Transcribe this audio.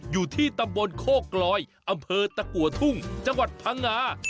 อยู่ที่ตำบลโคกลอยอำเภอตะกัวทุ่งจังหวัดพังงา